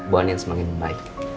bu andin semakin baik